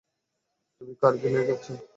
তুমি কার্গিলে যাচ্ছ।